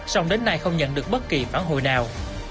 song đến nay không nhận được bất kỳ phản hồi nào